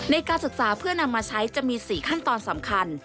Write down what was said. ในการศึกษาเพื่อนำมาใช้จะมี๔ขั้นตอนสำคัญ